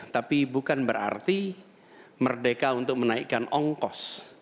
tapi bukan berarti merdeka untuk menaikkan ongkos